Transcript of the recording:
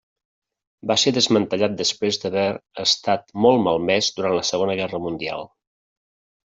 Va ser desmantellat després d'haver estat molt malmès durant la Segona Guerra Mundial.